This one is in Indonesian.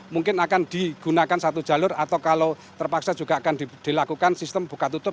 mungkin akan digunakan satu jalur atau kalau terpaksa juga akan dilakukan sistem buka tutup